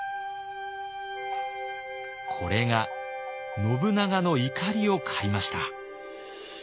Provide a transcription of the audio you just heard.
これが信長の怒りを買いました。